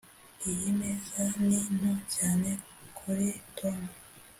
iyi meza ni nto cyane kuri tom.